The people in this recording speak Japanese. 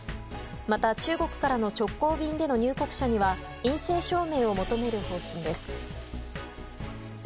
また、中国からの直行便での入国者には陰性証明を求める方針です。